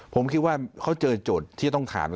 ผมคิดว่าเขาเจอโจทย์ที่จะต้องขัง